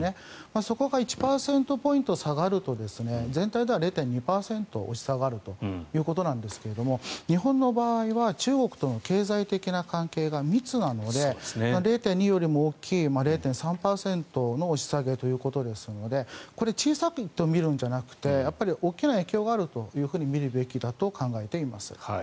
そこが１％ポイント下がると全体では０．２％押し下がるということなんですが日本の場合は中国との経済的な関係が密なので０．２よりも大きい０．３％の押し下げということですのでこれ、小さいと見るんじゃなくて大きな影響があると見るべきだと考えています。